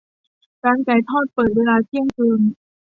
ร้านไก่ทอดเปิดเวลาเที่ยงคืน